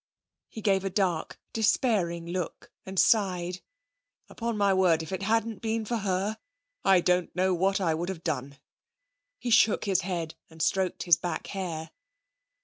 He gave a dark, despairing look, and sighed. 'Upon my word, if it hadn't been for her I don't know what I would have done.' He shook his head and stroked his back hair.